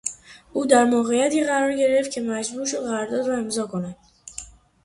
او در موقعیتی قرار گرفت که مجبور شد قرارداد را امضا کند.